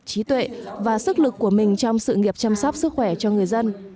trí tuệ và sức lực của mình trong sự nghiệp chăm sóc sức khỏe cho người dân